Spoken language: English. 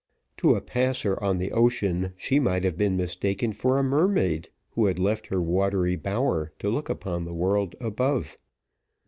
To a passer on the ocean she might have been mistaken for a mermaid who had left her watery bower to look upon the world above.